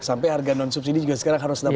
sampai harga non subsidi juga sekarang harus naik